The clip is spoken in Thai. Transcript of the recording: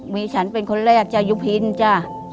มีฉันเป็นคนแรกจ้ะยุพินจ้ะ